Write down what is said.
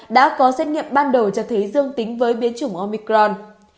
đã có xét nghiệm ban đầu cho thấy dương tính với biến chủng omicron